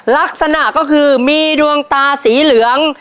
ลักษณะก็คือมีดวงตาสีเหลือง